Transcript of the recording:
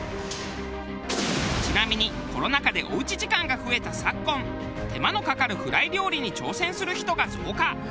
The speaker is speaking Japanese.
ちなみにコロナ禍でおうち時間が増えた昨今手間のかかるフライ料理に挑戦する人が増加。